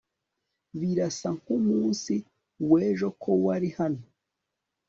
Birasa nkumunsi wejo ko wari hano